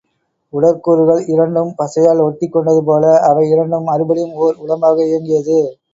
உடற் கூறுகள் இரண்டும் பசையால் ஒட்டிக் கொண்டதுபோல அவை இரண்டும் மறுபடியும் ஓர் உடம்பாக இயங்கியது.